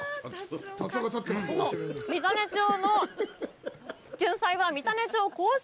この三種町のジュンサイは、三種町公式